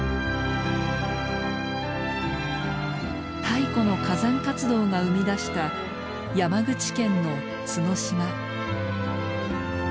太古の火山活動が生み出した山口県の角島。